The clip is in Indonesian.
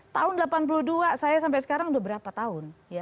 tahun seribu sembilan ratus delapan puluh dua saya sampai sekarang udah berapa tahun